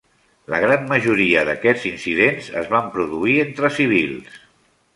La gran majoria d'aquests incidents es van produir entre civils.